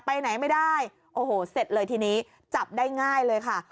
ไปไหนไม่ได้โอ้โหเสร็จเลยทีนี้จับได้ง่ายเลยค่ะ